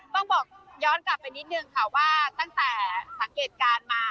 ต้องบอกย้อนกลับไปนิดนึงค่ะว่าตั้งแต่สังเกตการณ์มา